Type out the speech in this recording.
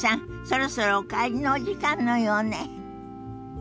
そろそろお帰りのお時間のようね。